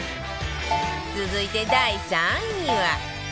続いて第３位は